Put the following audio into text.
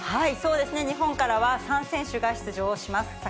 そうですね、日本からは３選手が出場をします。